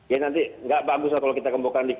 ya nanti nggak bagus kalau kita kembok andi